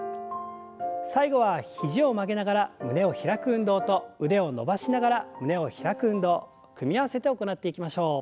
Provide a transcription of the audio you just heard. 最後は肘を曲げながら胸を開く運動と腕を伸ばしながら胸を開く運動組み合わせて行っていきましょう。